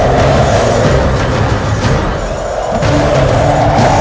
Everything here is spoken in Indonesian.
kau keras kepala nih mas